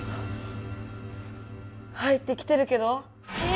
入ってきてるけど⁉え！